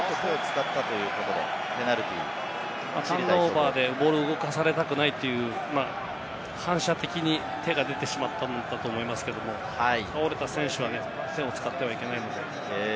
ターンオーバーでボールを動かされたくないという反射的に手が出てしまったんだと思いますけど、倒れた選手は、手を使ってはいけないので。